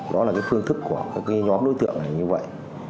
đó là cái phương thức của các nhóm đối tượng này như vậy